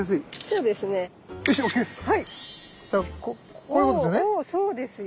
こういうことですよね？